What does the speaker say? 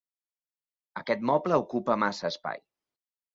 Aquest moble ocupa massa espai.